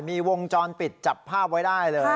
มีวงจรปิดจับภาพเอาไว้ได้